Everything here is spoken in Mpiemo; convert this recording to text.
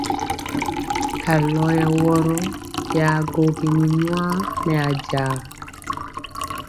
Alɔ yɛ wɔrɔ ya gwogini nyuwa nɛ ajaa.